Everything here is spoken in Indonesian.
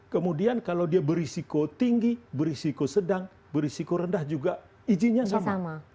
kemudian kalau dia berisiko tinggi berisiko sedang berisiko rendah juga izinnya sama